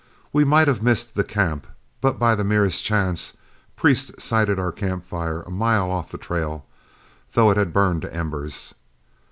We might have missed the camp, but, by the merest chance, Priest sighted our camp fire a mile off the trail, though it had burned to embers.